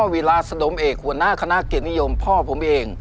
เวลาสนมเอกหัวหน้าคณะเกียรนิยมพ่อผมเอง